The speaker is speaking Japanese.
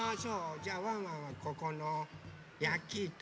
じゃあワンワンはここのやきいか。